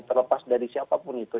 terlepas dari siapapun itu